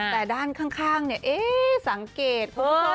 แต่ด้านข้างเนี่ยสังเกต